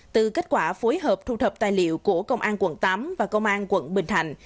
từ kết quả phối hợp thu thập tài liệu của công an quận tám và công an quận bình thạnh